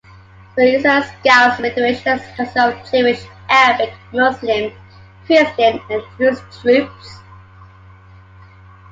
The Israel Scouts Federation consists of Jewish, Arabic, Muslim, Christian and Drews troops.